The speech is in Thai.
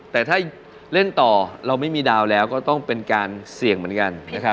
แต่ถ้าเล่นต่อเราไม่มีดาวแล้วก็ต้องเป็นการเสี่ยงเหมือนกันนะครับ